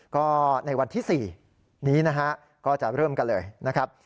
ก็ในวันที่๔นี้นะฮะก็จะเริ่มกันเลยนะครับ